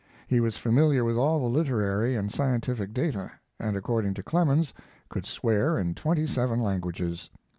He was familiar with all literary and scientific data, and according to Clemens could swear in twenty seven languages.